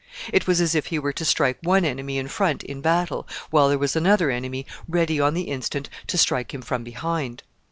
It was as if he were to strike one enemy in front in battle, while there was another enemy ready on the instant to strike him from behind.